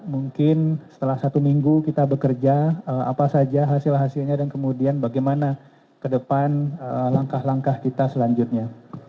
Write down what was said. mungkin setelah satu minggu kita bekerja apa saja hasil hasilnya dan kemudian bagaimana ke depan langkah langkah kita selanjutnya